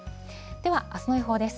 ではあすの予報です。